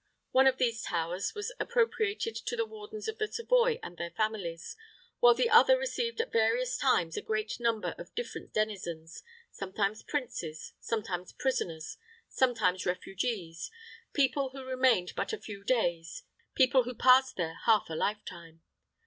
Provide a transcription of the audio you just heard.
One of these towers was appropriated to the wardens of the Savoy and their families, while the other received at various times a great number of different denizens, sometimes princes, sometimes prisoners, sometimes refugees, people who remained but a few days, people who passed there half a lifetime.